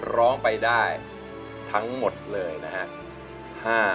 ร้องไปได้ทั้งหมดเลยนะครับ